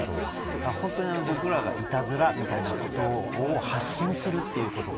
本当に、僕らがいたずらみたいなことを発信するということが。